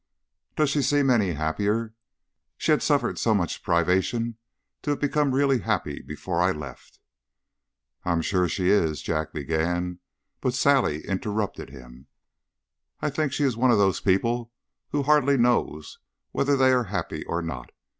"Does she seem any happier? She had suffered too much privation to have become really happy before I left." "I am sure she is " Jack began, but Sally interrupted him. "I think she is one of those people who hardly know whether they are happy or not.